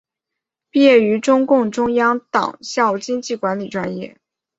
毕业于中共中央党校经济管理专业。